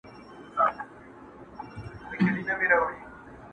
زه او ته چي پیدا سوي پاچاهان یو!!